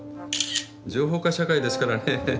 情報化社会ですからね。